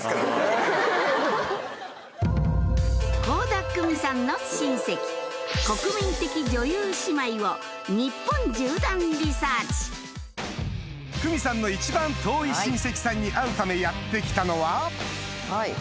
倖田來未さんの親戚国民的女優姉妹を日本縦断リサーチ來未さんの一番遠い親戚さんに会うためやって来たのはこんにちは。